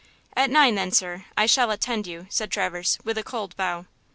"At nine, then, sir, I shall attend you," said Traverse, with a cold bow.